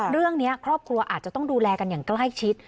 เรื่องนี้ครอบครัวอาจจะต้องดูแลกันอย่างใกล้ชิด